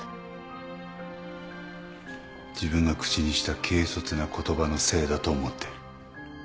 自分が口にした軽率な言葉のせいだと思ってる。